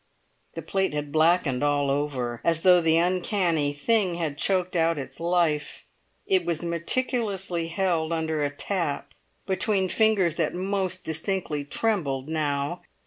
The plate had blackened all over, as though the uncanny thing had choked out its life. It was meticulously held under a tap, between fingers that most distinctly trembled now.